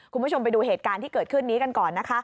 คุณผู้ชมไปดูเหตุการณ์ที่เกิดขึ้นนี้กันก่อนนะคะ